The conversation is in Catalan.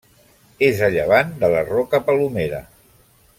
És a llevant de la Roca Palomera.